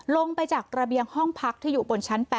ลงไปจากระเบียงห้องพักที่อยู่บนชั้น๘